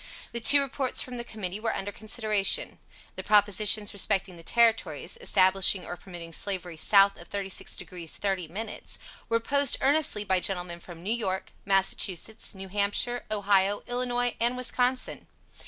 The two reports from the Committee were under consideration. The propositions respecting the Territories, establishing or permitting Slavery south of 36 degrees 30 minutes, were opposed earnestly by gentlemen from New York, Massachusetts, New Hampshire, Ohio, Illinois and Wisconsin.